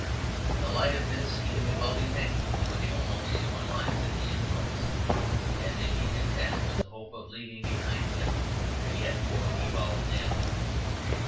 In the light of this, he may well be thankful for the almost human life that he enjoys; and may be content with the hope of leaving behind him a yet more evolved animal.